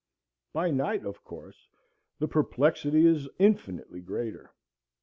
By night, of course, the perplexity is infinitely greater.